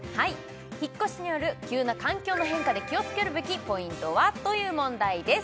引っ越しによる急な環境の変化で気をつけるべきポイントは？という問題です